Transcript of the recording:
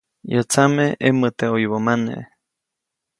Yäʼ tsame ʼemoʼte ʼoyubä mane.